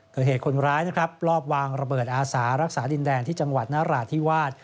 เกิดเหตุคนร้ายนะครับรอบวางระเบิดอาสารักษาดินแดนที่จังหวัดนราธิวาส